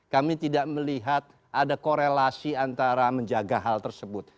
kami tidak melihat ada korelasi antara menjaga hal tersebut